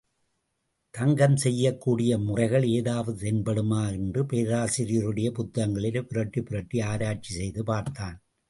தங்கம் செய்யக்கூடிய முறைகள் ஏதாவது தென்படுமா என்று பேராசிரியருடைய புத்தகங்களிலே புரட்டிப்புரட்டி ஆராய்ச்சி செய்து பார்த்தான்.